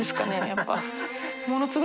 やっぱ。